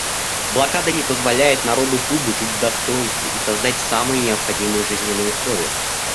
Блокада не позволяет народу Кубы жить в достоинстве и создать самые необходимые жизненные условия.